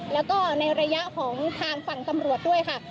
แล้วก็ในระยะของทางฝั่งตำรวจด้วยค่ะ